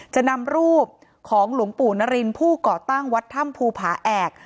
จะนำรูปของหลวงปู่นรินผู้ก่อตั้งวัดถ้ำภูผาแอก